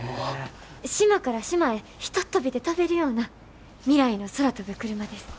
島から島へひとっ飛びで飛べるような未来の空飛ぶクルマです。